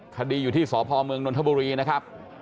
คดีอยู่ที่สพเมืองนนทบุรีนะครับ